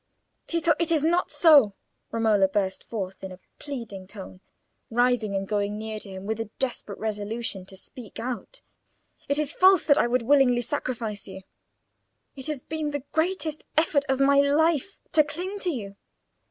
"Tito, it is not so," Romola burst forth in a pleading tone, rising and going nearer to him, with a desperate resolution to speak out. "It is false that I would willingly sacrifice you. It has been the greatest effort of my life to cling to you.